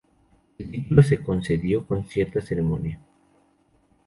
El título se concedió con cierta ceremonia.